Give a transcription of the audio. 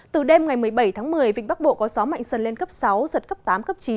từ đêm ngày một mươi bảy tháng một mươi vịnh bắc bộ có gió mạnh dần lên cấp sáu giật cấp tám cấp chín